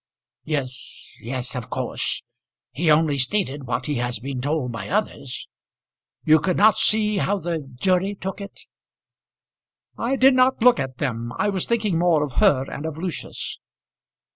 "Yes, yes, of course. He only stated what he has been told by others. You could not see how the jury took it?" "I did not look at them. I was thinking more of her and of Lucius."